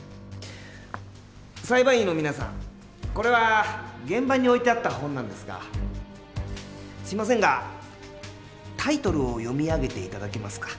裁判員の皆さんこれは現場に置いてあった本なんですがすいませんがタイトルを読み上げて頂けますか？